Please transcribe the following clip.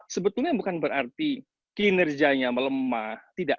sebetulnya bukan berarti kinerjanya melemah